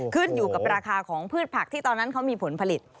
ขึ้นอยู่กับราคาของพืชผักที่ตอนนั้นเขามีผลผลิต